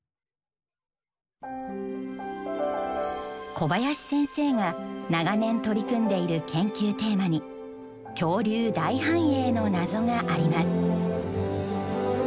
小林先生が長年取り組んでいる研究テーマに「恐竜大繁栄の謎」があります。